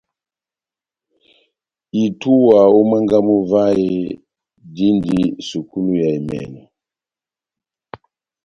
Itúwa ó mwángá mú vahe dindi sukulu ya emɛnɔ.